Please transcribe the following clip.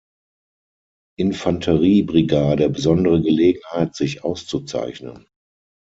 Infanterie-Brigade besondere Gelegenheit, sich auszuzeichnen.